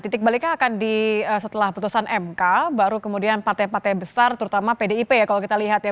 titik baliknya akan di setelah putusan mk baru kemudian partai partai besar terutama pdip ya kalau kita lihat ya